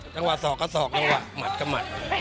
จังหวะสอกก็สอกจังหวะหมัดก็หมัด